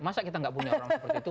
masa kita nggak punya orang seperti itu